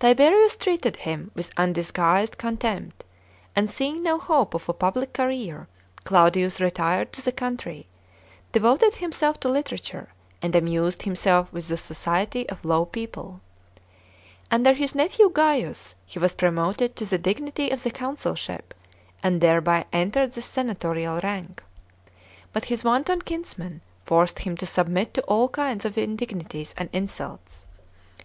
Tiberius treated him with undisguised con tempt, and seeing no hope of a public career, Claudius retired to the country, devoted himself to literature, and amused himself with the society of low people. Under his nephew Gaius he was promoted to the dignity of the consulship, and thereby entered the senatorial rank. But his wanton kinsman forced him to submit to all kinds of indignities and insults.